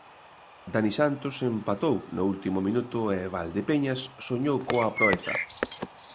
Dani Santos empatou no último minuto e Valdepeñas soñou coa proeza.